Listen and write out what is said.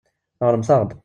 Ɣṛemt-aɣ-d.